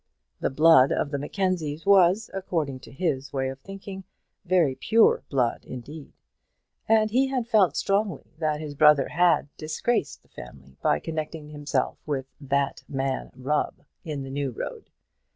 The blood of the Mackenzies was, according to his way of thinking, very pure blood indeed; and he had felt strongly that his brother had disgraced the family by connecting himself with that man Rubb, in the New Road.